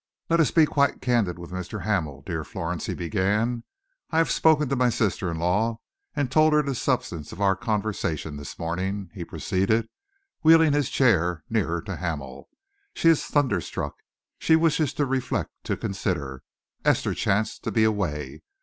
"Let us be quite candid with Mr. Hamel, dear Florence," he begged. "I have spoken to my sister in law and told her the substance of our conversation this morning," he proceeded, wheeling his chair nearer to Hamel. "She is thunderstruck. She wishes to reflect, to consider. Esther chanced to be away.